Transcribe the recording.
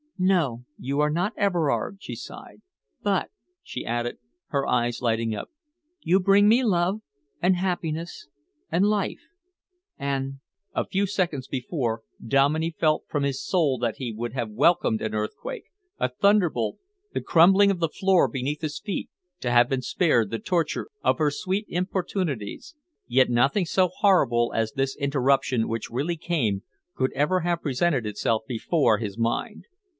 "No, you are not Everard," she sighed; "but," she added, her eyes lighting up, "you bring me love and happiness and life, and " A few seconds before, Dominey felt from his soul that he would have welcomed an earthquake, a thunderbolt, the crumbling of the floor beneath his feet to have been spared the torture of her sweet importunities. Yet nothing so horrible as this interruption which really came could ever have presented itself before his mind.